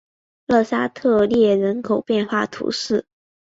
勒沙特列人口变化图示